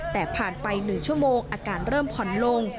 แต่ผ่านไป๑ชั่วโมงอาการเริ่มผ่อนลง